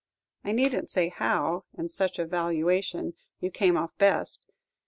I need n't say how, in such a valuation, you came off best.